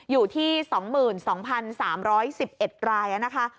อยู่ที่๒๒๓๑๑รายนะคะ